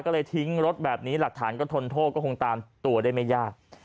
ก็เลยทิ้งรถแบบนี้หลักฐานก็ทนโทษก็คงตามตัวได้ไม่ยาก